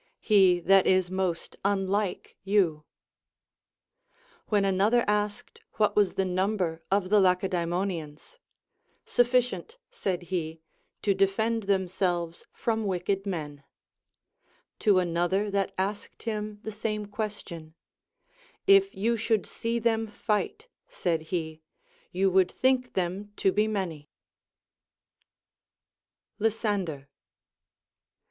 He that is most unlike you. When another asked what was the number of the Lacedae monians, — Sufficient, said he, to defend themselves fron• AND GREAT COMMANDERS. 219 wicked men. To another that asked him the same ques tion, If you should see them fight, said he, you would think them to be many. Lysander.